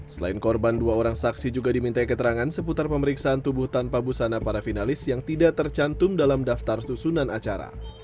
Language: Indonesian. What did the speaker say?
selain korban dua orang saksi juga diminta keterangan seputar pemeriksaan tubuh tanpa busana para finalis yang tidak tercantum dalam daftar susunan acara